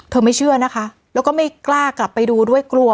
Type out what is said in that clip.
ไม่เชื่อนะคะแล้วก็ไม่กล้ากลับไปดูด้วยกลัว